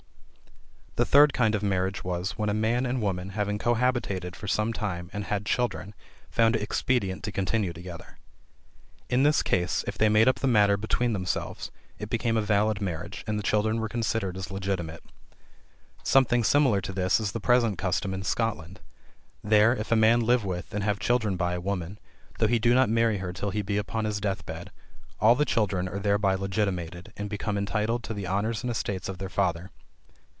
The third kind of marriage was, when a man and woman, having cohabited for some time and had children, found it expedient to continue together. In this case, if they made up the matter between themselves, it became a valid marriage, and the children were considered as legitimate. Something similar to this is the present custom in Scotland. There, if a man live with, and have children by a woman, though he do not marry her till he be upon his death bed, all the children are thereby legitimated and become entitled to the honors and estates of their father.